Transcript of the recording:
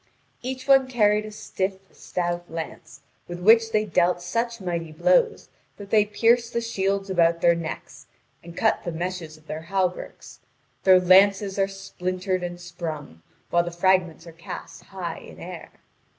Each one carried a stiff, stout lance, with which they dealt such mighty blows that they pierced the shields about their necks, and cut the meshes of their hauberks; their lances are splintered and sprung, while the fragments are cast high in air.